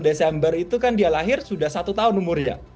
dua puluh satu desember itu kan dia lahir sudah satu tahun umurnya